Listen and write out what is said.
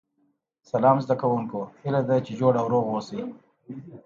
سلام زده کوونکو هیله ده چې جوړ او روغ اوسئ